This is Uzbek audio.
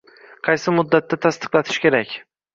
Qaysi muddatda tasdiqlatish kerak?